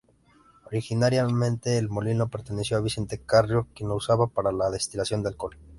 Originariamente, el molino perteneció a Vicente Carrió quien lo usaba para la destilación de alcohol.